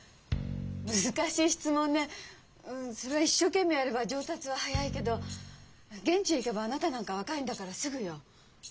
そりゃ一生懸命やれば上達は早いけど現地へ行けばあなたなんか若いんだからすぐよ。